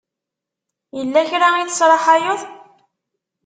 Yella kra i tesraḥayeḍ?